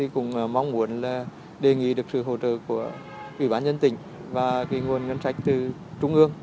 cũng mong muốn đề nghị được sự hỗ trợ của ủy ban nhân tỉnh và nguồn ngân sách từ trung ương